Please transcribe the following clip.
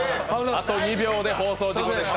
あと２秒で放送事故でした。